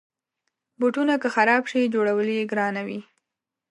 بوټونه که خراب شي، جوړول یې ګرانه وي.